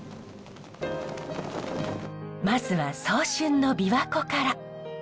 まずは早春のびわ湖から。